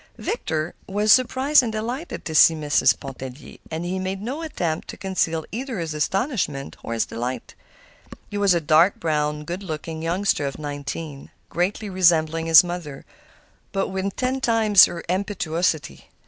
Victor was surprised and delighted to see Mrs. Pontellier, and he made no attempt to conceal either his astonishment or his delight. He was a dark browed, good looking youngster of nineteen, greatly resembling his mother, but with ten times her impetuosity.